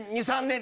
２３年！？